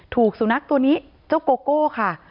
ถูกสุนัขตัวนี้เจ้าโกโก้ค่ะ